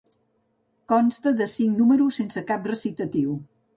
Consta de cinc números sense cap recitatiu.